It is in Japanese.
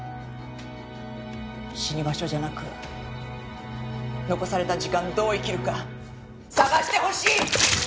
死に場所じゃなく残された時間どう生きるか探してほしい。